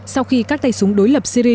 sau khi các tay súng đối lập syri